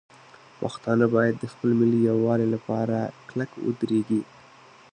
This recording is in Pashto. پښتانه باید د خپل ملي یووالي لپاره کلک ودرېږي.